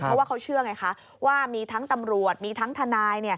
เพราะว่าเขาเชื่อไงคะว่ามีทั้งตำรวจมีทั้งทนาย